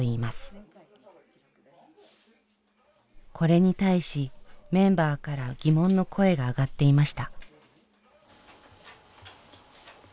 これに対しメンバーから疑問の声が上がっていました。